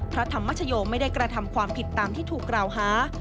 พระธรรมชโยไม่ได้กระทำความผิดตามที่ถูกกล่าวหา